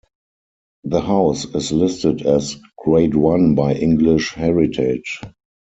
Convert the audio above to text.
The House is listed as Grade One by English Heritage.